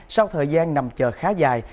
sau thời gian nằm chờ khá dài